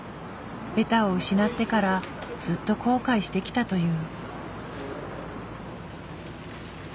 ベタを失ってからずっと後悔してきたという。